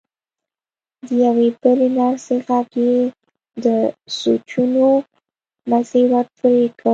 د يوې بلې نرسې غږ يې د سوچونو مزی ور پرې کړ.